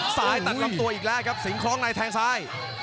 ตัดลำตัวอีกแล้วครับสิงคล้องในแทงซ้าย